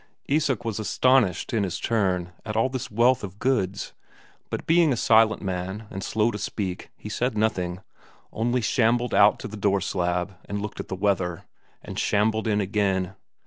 Isak was astonished in his turn at all this wealth of goods, but being a silent man and slow to speak, he said nothing, only shambled out to the door slab and looked at the weather, and shambled in again.